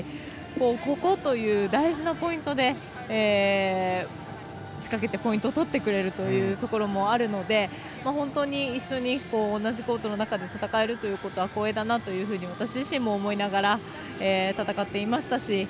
ここという大事なポイントで仕掛けて、ポイントを取ってくれるというところもあるので本当に一緒に同じコートの中で戦えるということが光栄だなというふうに私自身も思いながら戦っていましたし。